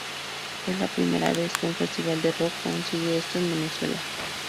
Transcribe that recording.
Es la primera vez que un festival de Rock consigue esto en Venezuela.